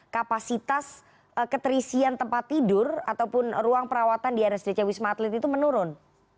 kapasitas keterisian tempat tidur ataupun ruang perawatan di rsdc wisma atlet itu menurun